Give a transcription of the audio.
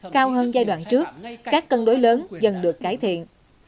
cao hơn giai đoạn trước các cân đối lớn dần được cải thiện